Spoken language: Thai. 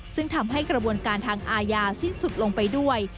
ซึ่งทำให้กระบวนการทางอาญาสิ้นสุดลงไปด้วย